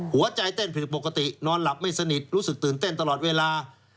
หัวใจเต้นผิดปกตินอนหลับไม่สนิทรู้สึกตื่นเต้นตลอดเวลา